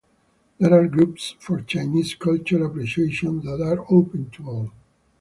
There are groups for Chinese culture appreciation that are open to all.